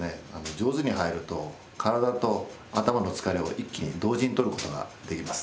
上手に入ると体と頭の疲れを一気に同時にとることができます。